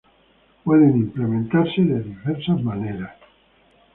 Pueden implementarse de diversas formas.